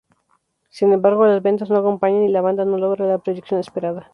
Sin embargo, las ventas no acompañan y la banda no logra la proyección esperada.